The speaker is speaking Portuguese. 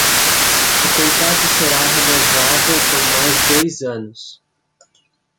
O contrato será renovável por mais dois anos.